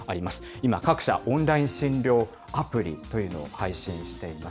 今、各社、オンライン診療アプリというのを配信しています。